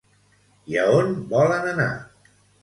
I a on volen anar?